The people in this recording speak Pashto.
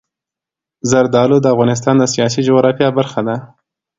زردالو د افغانستان د سیاسي جغرافیه برخه ده.